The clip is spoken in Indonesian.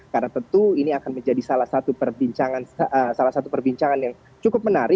karena tentu ini akan menjadi salah satu perbincangan yang cukup menarik